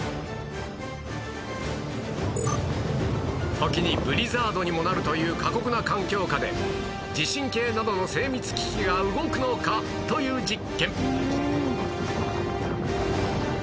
時にブリザードにもなるという過酷な環境下で地震計などの精密機器が動くのかという実験